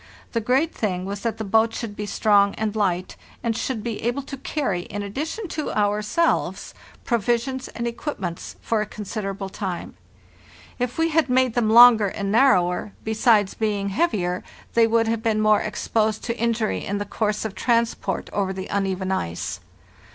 The great thing was that the boats should be strong and light, and should be able to carry, in addition to ourselves, provisions and equipments for a considerable time. If we had made them longer and narrower, besides being heavier they would have been more exposed to injury in the course of transport over the uneven ice.